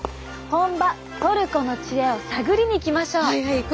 本場トルコの知恵を探りに行きましょう！